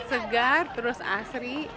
segar terus asri